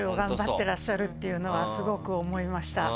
てらっしゃるっていうのはスゴく思いました。